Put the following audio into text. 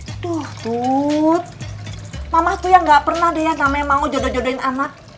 aduh tuttt mama tuh yang gak pernah deh yang namanya mau jodoh jodohin anak